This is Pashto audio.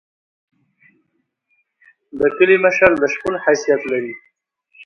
د کلی مشر د شپون حیثیت لري.